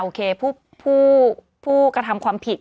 โอเคผู้กระทำความผิด